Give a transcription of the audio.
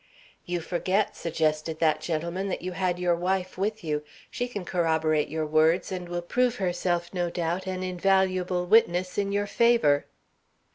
"You forget," suggested that gentleman, "that you had your wife with you. She can corroborate your words, and will prove herself, no doubt, an invaluable witness in your favor."